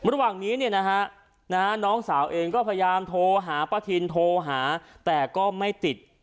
ระหว่างนี้น้องสาวเองก็พยายามโทรหาป้าทินโทรหาแต่ก็ไม่ติด